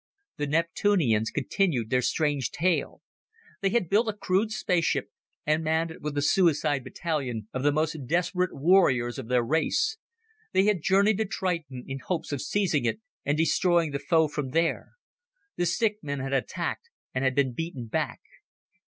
The Neptunians continued their strange tale. They had built a crude spaceship and manned it with a suicide battalion of the most desperate warriors of their race. They had journeyed to Triton in hopes of seizing it and destroying the foe from there. The stick men had attacked and had been beaten back.